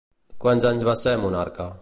Quants anys va ser monarca?